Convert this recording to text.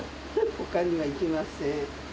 ほかには行きません。